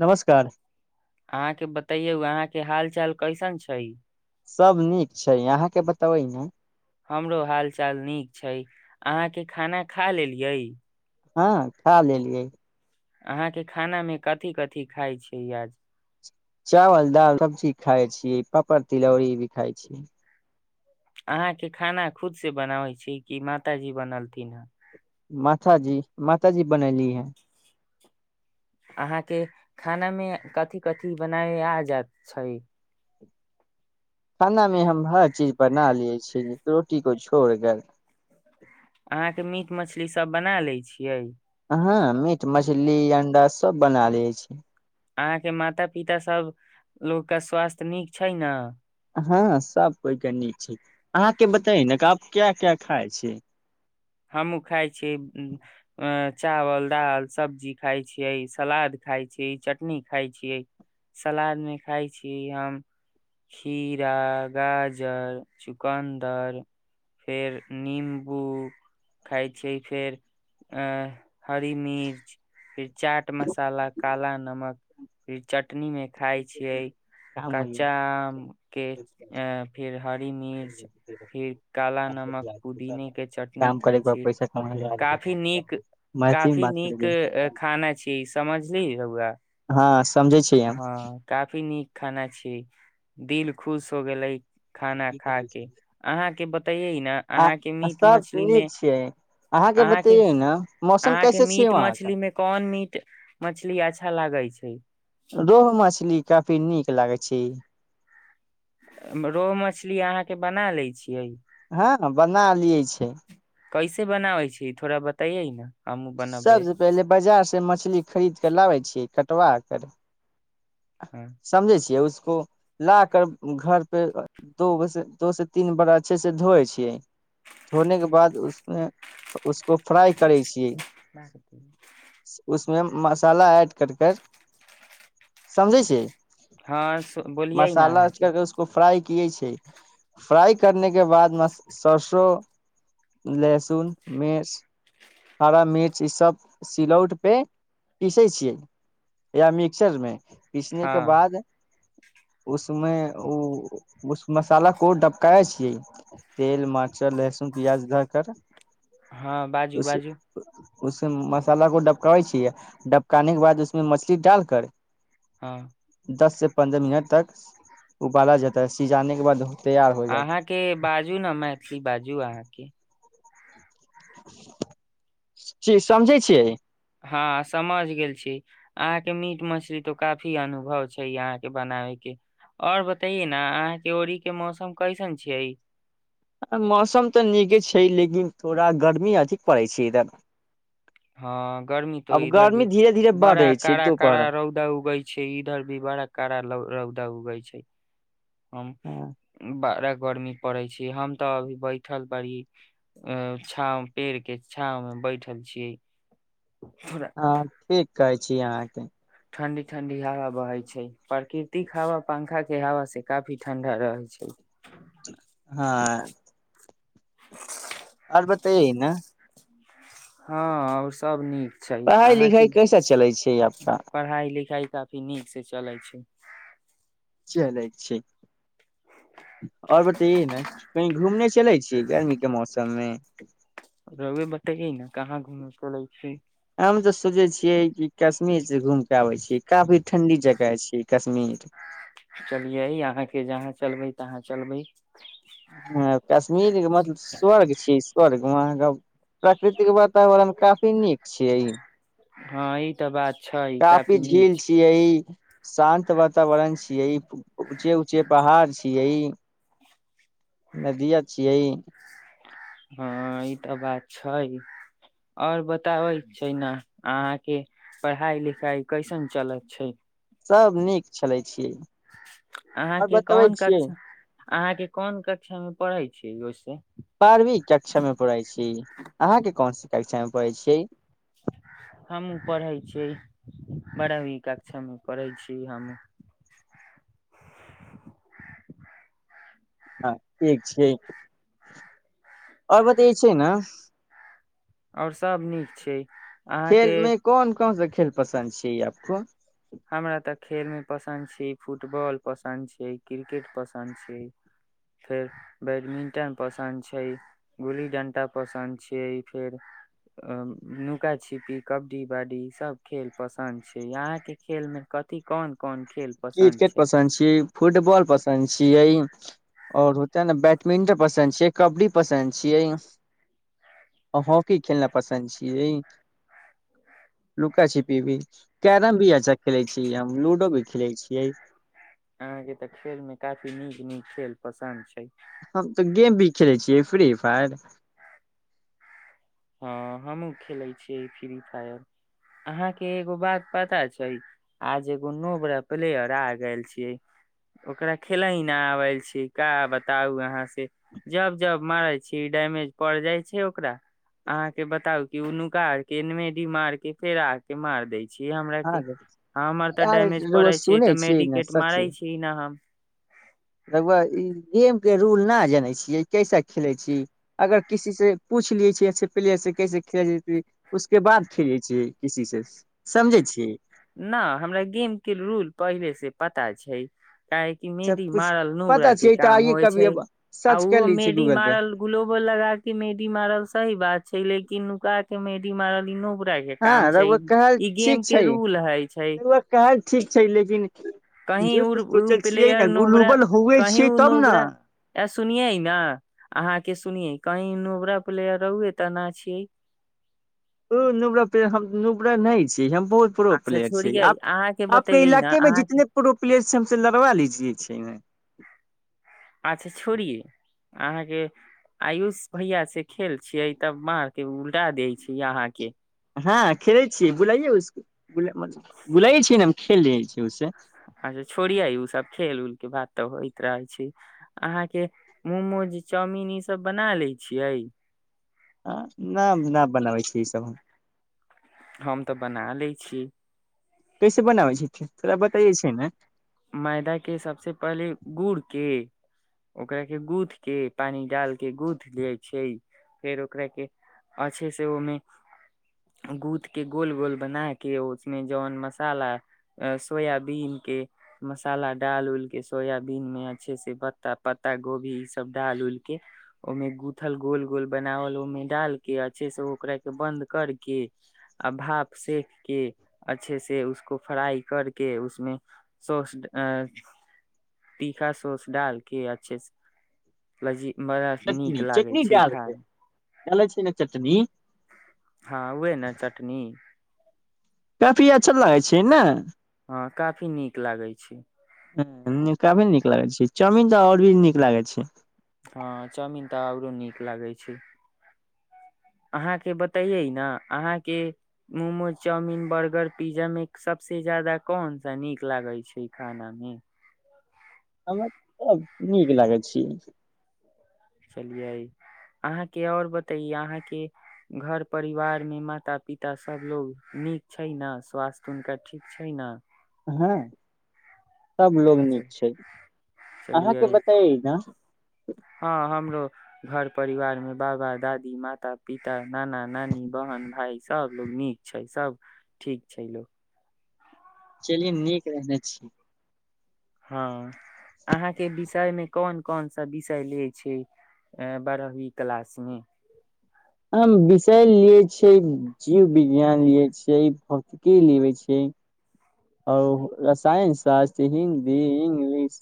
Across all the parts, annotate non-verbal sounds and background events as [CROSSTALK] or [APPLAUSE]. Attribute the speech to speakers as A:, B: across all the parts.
A: नमस्कार
B: अहाँके बताइ यौ अहाँके हाल चाल कैसन छै
A: सभ नीक छै अहाँके बतेबै ने
B: हमरो हाल चाल नीक छै अहाँके खाना खा लेलियै
A: हँ खा लेलियै
B: अहाँके खानामे कथी कथिी खाइ छै आज
A: चावल दाल सबजी खााय छीिय पापड़ तिलौरी भी खााय छी
B: अहाँ के खाना खुद से बनाबै छी कि मातााजी बनलथिन हे
A: माता जी माता जी बनैेली है
B: अहाँके खाना मे कथिी कथिी बनाय आ जात छै
A: खाना मे हम हर चीज बना लिये छीिय रोटी को छोड़ क
B: अहाँके मीट मछली सब बना लैत छियै
A: हँ मीट मछली मछली अं्डा सब बना ले छी
B: अहाँके माता पिताभ लोकके स्वास्थ्य नीक छै ने
A: हँ सभ कोइके नीक छै अहाँके बताै न कि आब क्या क्या खाइ छी
B: हमहूँ खाइ छियै चावल दालि सब्जी खााय छियै सलाद खाइ छी चटनी खाइ छियै सलादमे खाइ छीिय हम खीरा गाजर चुकन्दर फेर निम्बू खाइ छी फेर अ हरी मिर्च फेर चाट मसाला काला नमक फिर चट चटनी मे खााय छियै
A: काम
B: कच्चा आम के
A: हो
B: फिर हरी मिर्च फिर काला नमक पुदीने के चटनी खाइ
A: ओार
B: छियै।
A: पैसा कमा
B: काफी नीक
A: मैथिलीमे
B: काफी
A: बात
B: नीक
A: कर
B: अ,
A: [UNINTELLIGIBLE]
B: खाना छी [UNINTELLIGIBLE]
A: हँ समझै छिय हम
B: हँ काफी नीक खाना छी दिल खुश हो गेलै खाना खा के अहाँके बतैयै ने
A: आ
B: अहाँके
A: आ
B: मीट
A: सब
B: मछली मे
A: नीक छियै
B: अहाँके
A: बतैयै ने मौसम
B: अहाँके
A: कैसे छियै
B: मीट
A: वहाँ के
B: मछलीमे कोन मीट मछली अच्छा लागै छै [UNINTELLIGIBLE]
A: रोहु मछली काफी नीक लागै छै
B: रोहु मछली अहाँ के बना ले छियै
A: हँ बना लिये छै
B: कैसे बनाबै छी थोड़ा बतैयै ने हमहूँ बनबै
A: सबसँ पहिले बाजार से मछली खरीद क लाबै छीिय कटवा कर
B: हँ
A: समझै छियै ए ना को ला कर घर पे द दो से तीन बार अच्छे से धोए छियै धोने के बाद उसमे उसको फ्राई करे छीियै
B: ब खति
A: उमे मसाला ऐड करकर समझै छियै
B: हँ बोलियै ने
A: मसाला
B: अहाँके
A: कर उसको फ्रा पिये छै फ्राइ करने के बाद सरसो लहसुन मिर्च हरा मिर्च ई सब सिलौट पे पीसे छियै या मिक्सचर मे पीसने के
B: हँ
A: बाद उसमे ओ उस मसाला को डबकाय छियै तेल मारचर लहसुन प्याज धऽ कर
B: हँ बाजू बाजू
A: उसमे मसाला को डबकाबै छियै डबकाने के बाद उसमे मछली डाल कर
B: हँ
A: दस से पन्द्रह मिनट तक उबाला जाता है सिझाने के बाद तैयार हो
B: अहाँके बाजू ने मैथिली बाजू अहाँके
A: जी समझै छियै
B: हँ समझ गेल छी अहाँके मीट मछली तो काफी अनुभव छै अहाँ के बनाबे के और बतैये ने अहाँ के ओड़ी के मौसम कैसन छियै
A: मौसम तऽ नीके छै लेकिन थोड़ा गर्मी अधिक पड़ै छै इधर
B: हँ गर्मी त
A: अब
B: इधर
A: गर्मी
B: भी
A: धीरे धीरे बढ़
B: बड़ा
A: रहै छै
B: का
A: दुपहर
B: का रौदा उगई छै इधर भी बड़ा का रौदा उ गइ छै हम बारह गर्मी पड़े छै हम तऽ अभी बैठल पड़ी छाँव पेड़ के छाव में बैठल छीियै
A: हँ ठीक कहै छी अहाँके
B: ठंडी ठंडी हवा बहै छै प्राकृतिक हवा पंखा के हवा से काफी ठंडा रहै छै
A: हँ आओर बताय न
B: हँ औऱ सब नीक छै
A: पढ़ाइ
B: अहाँ के
A: लिखाइ कैसा चलै छै आपका
B: पढ़ाई लिखाई काफी नीक से चलै छै
A: चलै छी आओर बतैे ने कही घूमने चलै छी छिय गर्मी के मौसममे [UNINTELLIGIBLE] [UNINTELLIGIBLE]
B: रउवे बतैये ने कहाँ घूमै चलै छै
A: हम तऽ सोचै छियै कि कश्मीर से घुम बे छी काफी ठंडी जगह छै ई कश्मी
B: चलियै अहाँके जहाँ चलबै तहाँ चलबै
A: ह कश्मीरके मतलब स्वर्ग छी स्वर्ग अहाँके प्राकृतिक वातावरण काफी नीक छियै
B: हँ ई तऽ बात छै
A: काफी
B: नीक
A: ठीक
B: छै
A: छियै ई शांत बात वातावरण छीयै ऊचे ऊचे पहाड़ छीयै नदीया छिये
B: हँ ई तऽ बात छै आओर बताबै छै ने अहाँके पढ़ाई लिखाई कैसन चलत छै
A: सब नीक छलै आओर बतबै छियै
B: अहां के कोन कक्षा में पढ़े छीै यो से
A: बारवी कक्षा मे पढ़ै छी अहाँके कोनसी कक्षा मे पढय छिये
B: हमहूँ पढ़ै छियै बारहबी कक्षा मे पढ़ैय छी की हममे
A: हँ एकठ ठ आओर बतै छै ने
B: आओर सभ नीक छै
A: खेल
B: अहाँके
A: मे कोन कोन सा खेल पसन्द छै आपको
B: खेलमे पसन्द छी फुटबॉल पसन्द छै क्रिकेट पसन्द छै फेर बैडमिंटन पसन्द छै गुल्ली डंटा पसन्द छै फेर नुका छिपी कबड्डी बा्डी सब खेल पसन्द छै अहाँके खेल में कथि कोन कोन खेल पसन्द
A: क्रिकेट
B: छै
A: पसन्द छीयै फुटबॉल पसन्द छीयै और होताे ने बैडमिंटन पसन्द छीयै कबड्डी पसन्द छीयै हॉकी खेलना पसन्द छीयै लुका छिपी भी कैरम भी अच्छा खेले छीय हम लूडो भी खेलैय छियै
B: अहाँ के तऽ खेल मे काफी नीक नीक खेल पसन्द छै
A: हम तऽ गेम भी खेलैय छियै फ्री फायर
B: हँ हमहूँ खेलैत छियै फ्री फायर अहाँके एगो बात पता छै आज एगो नओ बोड़ा प्लेयर आ गेल छियै ओकरा खेलय नहि आबल छी का बताउ अहाँ से जब जब मारै छी डैमेज पड़ जाइ छै ओकरा अहा के बताउ क उ नुका के नमेदी मार के फेर आ के मार देई छी हमरा के
A: हँ
B: हमर तऽ
A: यार
B: डैमेज
A: रउआ
B: पड़े छै
A: सुनै
B: तऽ
A: छियै ने
B: मेडिकेट मारै
A: सचे
B: छी ने हम
A: रउआ ई गेम के रूल न जानै छीयै कैसा खेले छी अगर किसी से पूछ लिये छी अच्छे प्लेयर से कैसे खेल उसके बाद खेले छी किसी से समझे छी
B: न हमरा गेम के रूल पहिले से पता छै काहेक
A: अच्छा
B: मेदी
A: कुछ
B: मारल नोबरा
A: पता
B: के
A: छियै तऽ
B: काम
A: आइये
B: होय
A: कभी
B: छै
A: अब
B: आ
A: सर्च कर
B: ओहो
A: लै छियै
B: मेदी
A: गूगल पे
B: मारल ग्लोबो लगा के मेदी मारल सही बात छै लेकिन नुका के मेी मारल इ
A: हँ रघुव कहाल ठीक छै
B: ब्लूल हइ छै
A: रउआ कहल ठीक छै लेकिन
B: कह
A: इहो तऽ सोचल छियै ने
B: प्लेयर नोबरा
A: ग्लोबल हुए
B: कही
A: छियै
B: ओ
A: तब ने
B: नोबरा सुने ने अहाँ के सुने कही नबरा प्लेयर रहुए तऽ न छियै
A: ओ नब हम नुबरा नहि छी हम बहुत प्रो
B: अच्छा
A: प्लयर छै
B: छोड़ियै अहाँके
A: आपके
B: बतैयै न
A: इलाके में
B: अहाँके
A: जितने प्रो प्लेयर छै हमस लड़वा लीजिये छै
B: अच्छा छोड़िये अहाँके आयुष भैया से खेल छियै तब बके उलटा दै छै अहाँके
A: हँ खेले छीै बुलाे बुलाे छीै ने खेलै छी उसे
B: अच्छा छोड़िये उ सब खेल उल के बात तऽ होइत रह छै अहाँके मोमोज चाउमिन ईसभ बना ले छियै
A: ह न न बनाबै छीिय ईसभ हम
B: हम तऽ बना लै छीिय
A: कैसे बनाबै छ तथोरा बताइे छै ने
B: मैदा के सबसँ पहिले गुड़ के ओकरा के गूँथ के पानी डाल के गूँथ लिये छै फेर ओकरा के अच्छे से ओहिमे गूँथ के गोल गोल बना के उसमे जन मसाला सोयाबीन के मसाला डालि उऊलि कऽ सोयाबीनमे अच्छेसँ पत्ता पत्ता गोभी इसभ डालि उऊलि कऽ ओहिमे गूँथल गोल गोल बनाओल ओहिमे डालि कऽ अच्छेसँ ओकराके बन्द करि कऽ आ भाप सेक कऽ अच्छे से उसको फ्राइ करि कऽ उसमे सौस तीखा सोस डालके अच्छे लजी बड़ा नीक लागै छै ई खाय
A: डालै छी ने चटनी
B: हँ उहे ने चटनी
A: काफी अच्छा लागै छै ने
B: हँ काफी नीक लागै छै
A: ह काफी नीक लागै छै चामीिन तऽ आओर भी नीक लागै छै
B: हँ चाउमिन तऽ औरो नीक लागै छै अहाँके बतैये ने अहाँके मोमोज चाउमिन बर्गर पिज्जा मे सबस ज्यादा कोन सा नीक लागै छै खाना मे
A: हमरा सब नीक लागै छी
B: चलियै अहाँके आओर बतैै अहाँके घर परिवारमे माता पिता सभलोग नीक छै ने स्वास्थ्य हुनका ठीक छै ने
A: हँ सब लोग नीक छै अहाँके
B: चलियै
A: बताय न
B: हँ हमरो घर परिवारमे बाबा दादी माता पिता नाना नानी बहन भाय सभ लो नीक छै सभ ठीक छै लोको
A: चलि नीक रहने छीिय
B: हँ अहाँके विषयमे कोन कोन सा विषय लैत छै अ बारहवी क्लासमे
A: आ विषय लिै छिय जीवविज्ञान लियै छियै भौतिकी लै छै आओर रसायन शास्त्र हिन्दी इंग्लिश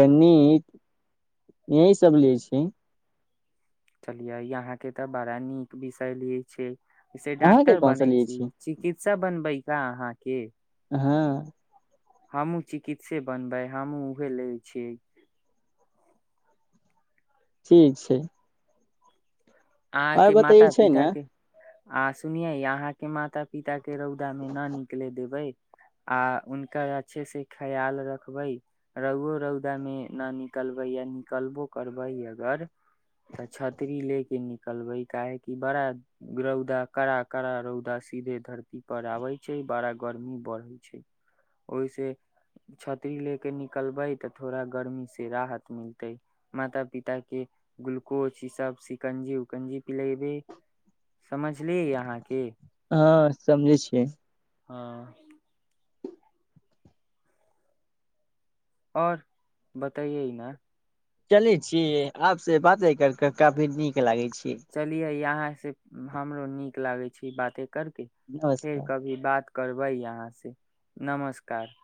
A: गणित यहीसभ लै छै
B: चलिये यहााँ के तऽ बड़ा नीक विषय ले छै जसे
A: अहाँके
B: डॉक्टर
A: कोन सा
B: बनै
A: लिये
B: छी चिकित्सा बनबै का अहाँके
A: [INAUDIBLE]
B: हमूँ चिकित्से बनबै हमहहुँ उह लै छियै
A: ठीक छै
B: अह
A: आर
B: के
A: बतै
B: माता
A: छै
B: पििता
A: ने
B: के आ सुनिये यहाँ के माता पिता के के रौदामे नहि निकलै देबै आ हनकर अच्छे से ख्याल रखबै रौओ रौदा मे न निकलबै य निकलबो करबै अगर तऽ छतरी ले के न नले काहेकि बड़ा रौदा कड़ा कड़ा रौदा सीधे धरती पर आबे छै बड़ा गर्मी बढ़े छै ओहि से छतरी ले के निकलबे ते थोड़ा गर्मी से राहत मिलते माता पिता के ग्लूकोज ई सब सिकंजी गंजी पिलेबे समझलिय अहाँके
A: हँ समझे छियै
B: हँ आओर बताइए ह ने
A: चले छीिय आप से बाते करके काफी नीक लागै छै
B: चलियै यहाँ से हमरो नीक लागै छी बाते करके फेर
A: नमस्कार
B: कभी बात करबै यहाँ से नमस्कार